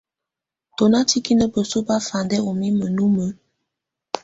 Tù nà tikǝ́nǝ́ besuǝ̀ bafandɛ ù mimǝ́ numǝ́.